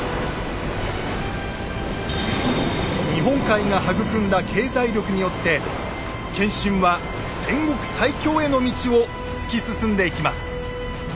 日本海が育んだ経済力によって謙信は戦国最強への道を突き進んでいきます。